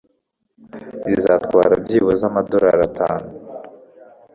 Bizatwara byibuze amadorari atanu.